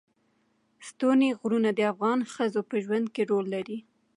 ستوني غرونه د افغان ښځو په ژوند کې رول لري.